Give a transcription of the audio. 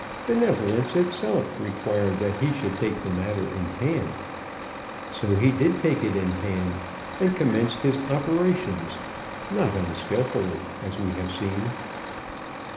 Benevolence itself required that he should take the matter in hand. So he did take it in hand, and commenced his operations not unskilfully, as we have seen.